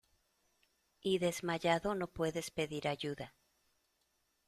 y desmayado no puedes pedir ayuda.